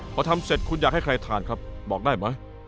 พอทำเสร็จคุณอยากให้ใครทานครับบอกได้ไหม